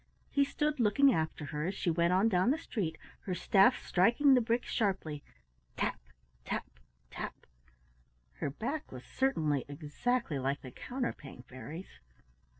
He stood looking after her as she went on down the street, her staff striking the bricks sharply, tap! tap! tap! Her back was certainly exactly like the Counterpane Fairy's.